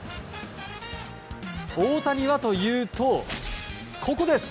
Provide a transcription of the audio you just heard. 大谷はというと、ここです。